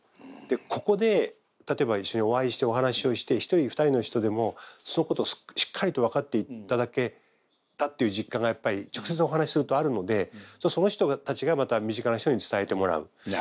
でここで例えば一緒にお会いしてお話をして１人２人の人でもそのことをしっかりと分かっていただけたっていう実感がやっぱり直接お話しするとあるのでその人たちがまた身近な人に伝えてもらう。